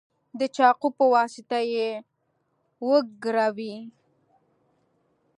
د چاقو په واسطه یې وګروئ.